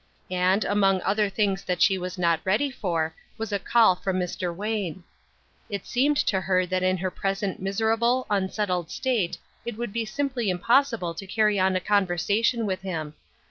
And, among other things that she was not ready for, was a call from Mr. Wayne; it seemed to her that in her present miserable, unsettled state it would be simply impossible to carry on a conversation with him.